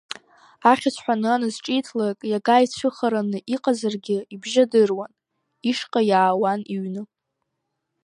Ахьӡ ҳәаны аназҿиҭлак, иага ицәыхараны иҟазаргьы, ибжьы адыруан, ишҟа иаауан иҩны.